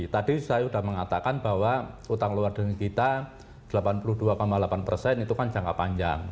tadi saya sudah mengatakan bahwa utang luar negeri kita delapan puluh dua delapan persen itu kan jangka panjang